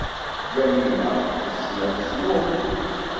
Yamina tessen ad tecnu.